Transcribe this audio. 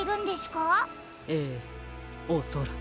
ええおそらく。